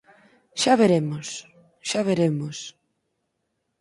Xa veremos, xa veremos.